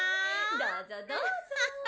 どうぞどうぞ。